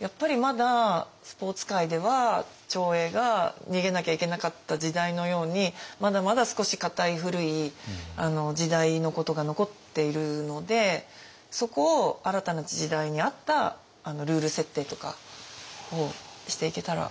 やっぱりまだスポーツ界では長英が逃げなきゃいけなかった時代のようにまだまだ少し固い古い時代のことが残っているのでそこを新たな時代に合ったルール設定とかをしていけたら。